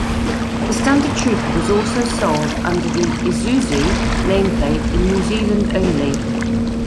The standard Trooper was also sold under the Isuzu nameplate in New Zealand only.